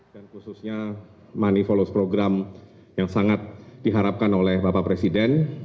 dan khususnya money follows program yang sangat diharapkan oleh bapak presiden